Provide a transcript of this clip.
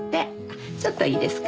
ちょっといいですか？